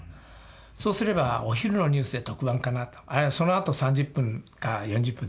そうすればお昼のニュースで特番かなとあるいはそのあと３０分か４０分特番。